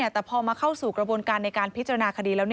แต่พอมาเข้าสู่กระบวนการในการพิจารณาคดีแล้ว